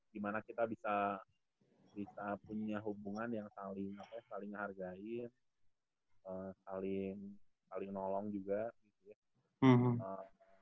dimana kita bisa punya hubungan yang saling hargai saling nolong juga gitu ya